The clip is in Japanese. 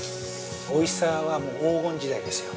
◆おいしさは黄金時代ですよ。